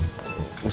buat ayam itu